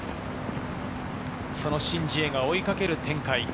そのシン・ジエが追いかける展開。